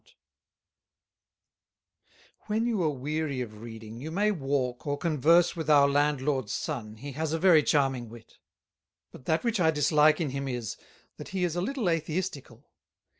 From a 17th Century Engraving] "When you are weary of Reading, you may Walk, or Converse with our Landlord's Son, he has a very Charming Wit; but that which I dislike in him is, that he is a little Atheistical.